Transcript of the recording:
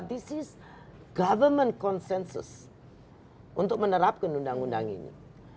this is government consensus untuk menerapkan undang undang ini